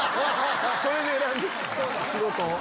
それで選んでる⁉仕事を。